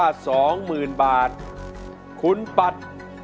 ต้องพาสนบรรย์